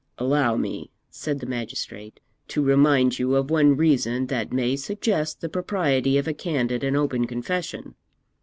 'Allow me,' said the magistrate, 'to remind you of one reason that may suggest the propriety of a candid and open confession.